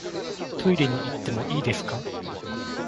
トイレに行ってもいいですか？